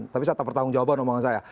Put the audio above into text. tapi satu pertanggung jawaban omongan saya